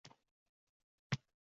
Picha joyida turib qoldi.